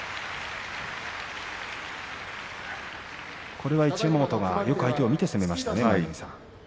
これは一山本がよく相手を見て攻めましたね。